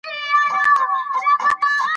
دا بازي د دوه ټيمونو تر منځ کیږي.